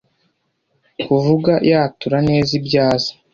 kuvuga yatura neza ibyo azi,